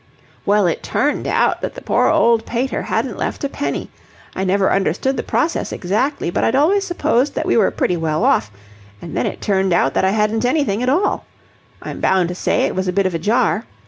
"Well, it turned out that the poor old pater hadn't left a penny. I never understood the process exactly, but I'd always supposed that we were pretty well off; and then it turned out that I hadn't anything at all. I'm bound to say it was a bit of a jar.